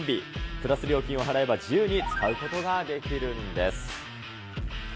プラス料金を払えば自由に使うことができるんです。